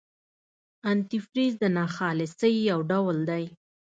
انتي فریز د ناخالصۍ یو ډول دی.